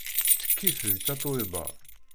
Ttekkit deg Tatoeba.